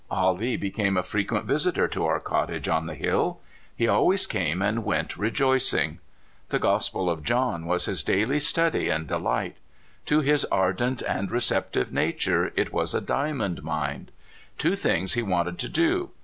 Ah Lee became a frequent visitor to our cottage on the hill. He always came and went rejoicing. The Gospel of John w r as his daily study and de light. To his ardent and receptive nature it was a diamond mine. Two things he wanted to do.